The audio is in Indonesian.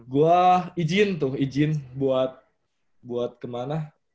gue izin tuh ijin buat buat kemana